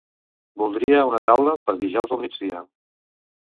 Voldria una taula per dijous al migdia.